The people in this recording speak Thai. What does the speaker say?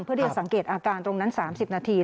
เพื่อที่จะสังเกตอาการตรงนั้น๓๐นาที